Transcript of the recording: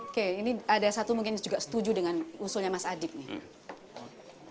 oke ini ada satu mungkin juga setuju dengan usulnya mas adib nih